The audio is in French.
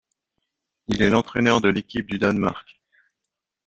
Il est l'entraîneur de l'équipe du Danemark.